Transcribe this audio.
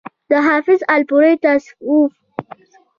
د حافظ الپورئ تصوف